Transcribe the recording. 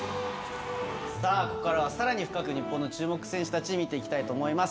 ここからはさらに日本の注目選手たちを見ていきたいと思います。